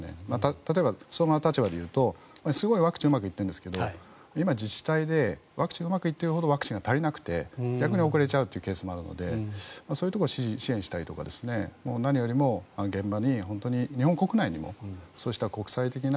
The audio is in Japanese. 例えば、相馬の立場でいうとすごくワクチンうまくいっているんですが今、自治体でワクチンがうまくいっているところほど逆に遅れちゃうというケースもあるのでそういうところを支援したりとか何よりも現場に日本国内にもそうした国際的な。